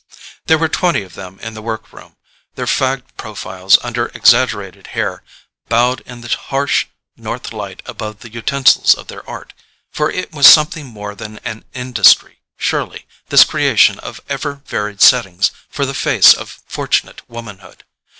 There were twenty of them in the work room, their fagged profiles, under exaggerated hair, bowed in the harsh north light above the utensils of their art; for it was something more than an industry, surely, this creation of ever varied settings for the face of fortunate womanhood.